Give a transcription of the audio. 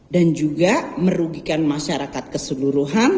dan juga merugikan masyarakat keseluruhan